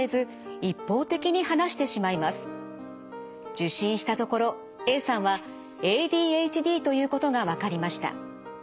受診したところＡさんはＡＤＨＤということがわかりました。